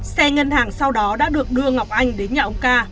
xe ngân hàng sau đó đã được đưa ngọc anh đến nhà ông ca